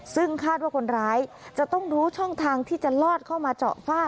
ซึ่งคาดว่าคนร้ายจะต้องรู้ช่องทางที่จะลอดเข้ามาเจาะฝ้า